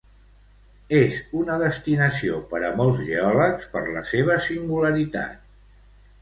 És una destinació per a molts geòlegs per la seva singularitat.